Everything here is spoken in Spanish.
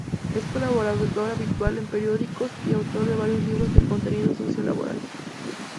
Es colaborador habitual en periódicos y autor de varios libros de contenido sociolaboral.